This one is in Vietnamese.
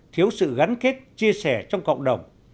thiếu sự gắn kết chia sẻ trong cộng đồng